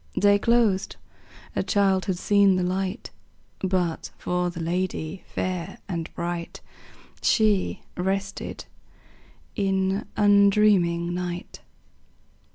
Day closed; a child had seen the light; But, for the lady fair and bright, She rested in undreaming night.